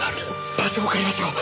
場所を変えましょう。